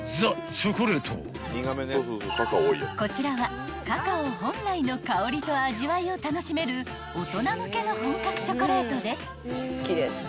［こちらはカカオ本来の香りと味わいを楽しめる大人向けの本格チョコレートです］